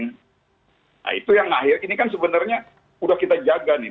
nah itu yang akhir ini kan sebenarnya sudah kita jaga nih